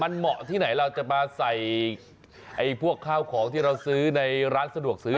มันเหมาะที่ไหนเราจะมาใส่พวกข้าวของที่เราซื้อในร้านสะดวกซื้อ